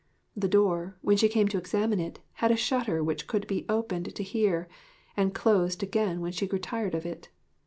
The door, when she came to examine it, had a shutter which could be opened to hear, and closed again when she grew tired of it.